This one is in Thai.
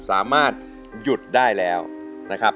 สามารถหยุดได้แล้วนะครับ